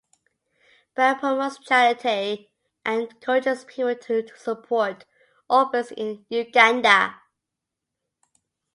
Bram promotes charity and encourages people to support orphans in Uganda.